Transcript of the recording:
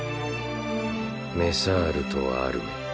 メサールとアルメ。